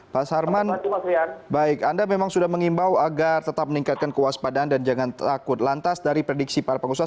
pak sarman baik anda memang sudah mengimbau agar tetap meningkatkan kewaspadaan dan jangan takut lantas dari prediksi para pengusaha